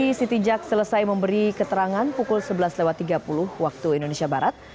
liberti sitingjak selesai memberi keterangan pukul sebelas tiga puluh waktu indonesia barat